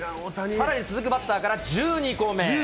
さらに、続くバッターから１２個目。